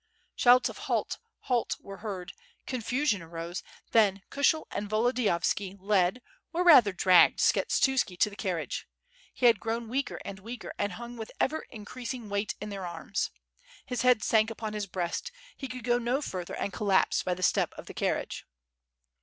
Shouts of "Halt! halt!" were heard, confusion arose, then Kushel and Volodiyovski led or rather dragged Skshetuski to the carriage. He had grown weaker and weaker, and hung with ever increasing weight in their arms. His head sank upon his breast, he could go no further and collapsed by the step of the carriage.